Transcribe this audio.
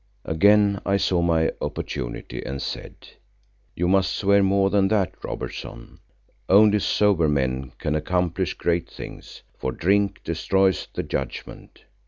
Again I saw my opportunity and said, "You must swear more than that, Robertson. Only sober men can accomplish great things, for drink destroys the judgment.